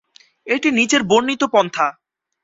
এটি নিচের বর্ণিত পন্থা।